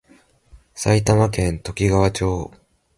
埼玉県ときがわ町